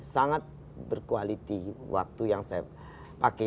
sangat berkualitas waktu yang saya pakai